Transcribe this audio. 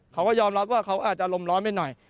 เขาก็ยอมรับว่าเขาอาจจะอารมณ์ร้อนไปหน่อย